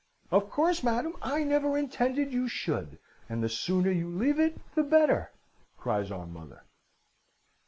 "'Of course, madam, I never intended you should; and the sooner you leave it the better,' cries our mother.